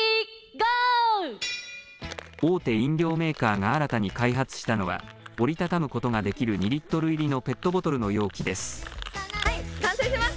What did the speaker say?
大手飲料メーカーが新たに開発したのは折り畳むことができる２リットル入りのペットボトルの容器です。